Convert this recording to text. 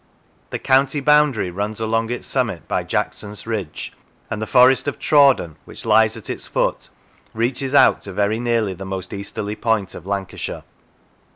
The county boundary runs along its summit by Jackson's Ridge, and the Forest of Trawden, which lies at its foot, reaches out to very nearly the most easterly point of Lancashire.